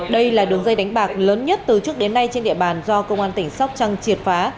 đây là đường dây đánh bạc lớn nhất từ trước đến nay trên địa bàn do công an tỉnh sóc trăng triệt phá